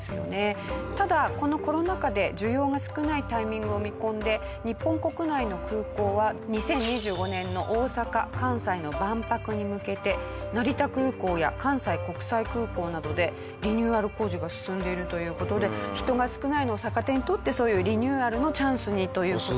ただこのコロナ禍で需要が少ないタイミングを見込んで日本国内の空港は２０２５年の大阪・関西の万博に向けて成田空港や関西国際空港などでリニューアル工事が進んでいるという事で人が少ないのを逆手に取ってそういうリニューアルのチャンスにという事。